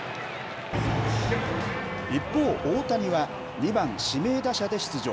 一方、大谷は２番指名打者で出場。